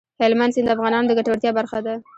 هلمند سیند د افغانانو د ګټورتیا برخه ده.